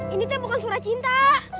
ini bukan surat cinta